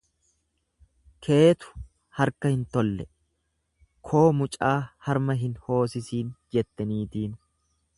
Keetu harka hin tolle koo mucaa harma hin hosisiin jette niitiin.